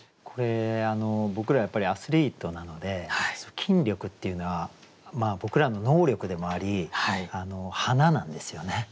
これ僕らやっぱりアスリートなので筋力っていうのは僕らの能力でもあり花なんですよね。